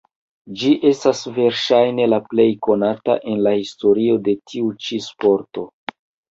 Ĝi estas verŝajne la plej konata en la historio de tiu ĉi sporto.